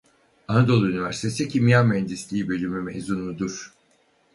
Anadolu Üniversitesi Kimya Mühendisliği Bölümü mezunudur.